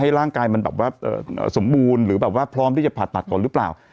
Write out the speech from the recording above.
ร่างกายมันแบบว่าสมบูรณ์หรือแบบว่าพร้อมที่จะผ่าตัดก่อนหรือเปล่า